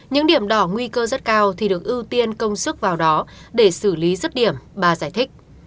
những điểm đỏ nguy cơ rất cao thì được ưu tiên công sức vào đó để xử lý rứt điểm bà giải thích